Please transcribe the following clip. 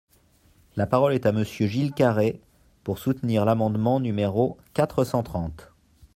La parole est à Monsieur Gilles Carrez, pour soutenir l’amendement numéro quatre cent trente.